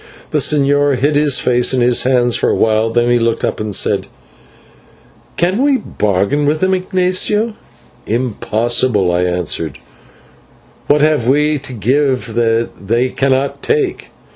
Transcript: The señor hid his face in his hands for awhile, then he looked up and said, "Can we bargain with them, Ignatio?" "Impossible," I answered, "what have we to give that they cannot take?"